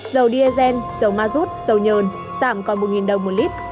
dầu diesel dầu mazut dầu nhờn giảm còn một đồng một lít